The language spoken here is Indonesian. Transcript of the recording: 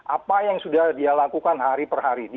apa yang sudah dia lakukan hari per hari ini